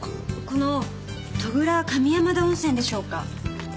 この戸倉上山田温泉でしょうか？